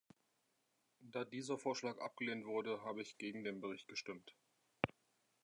Da dieser Vorschlag abgelehnt wurde, habe ich gegen den Bericht gestimmt.